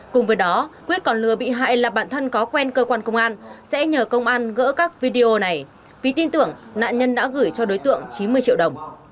cùng với đó quyết còn lừa bị hại là bạn thân có quen cơ quan công an sẽ nhờ công an gỡ các video này vì tin tưởng nạn nhân đã gửi cho đối tượng chín mươi triệu đồng